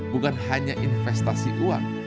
bukan hanya investasi uang